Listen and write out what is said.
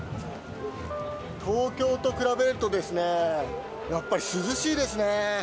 東京と比べるとですね、やっぱり涼しいですね。